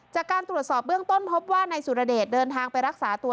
จากการตรวจสอบเบื้องต้นพบว่านายสุรเดชเดินทางไปรักษาตัว